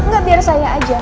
gak biar saya aja